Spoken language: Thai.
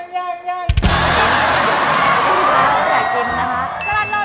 ยัง